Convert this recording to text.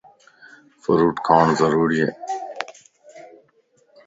ڦروٽ کاڻ ضروري ائي.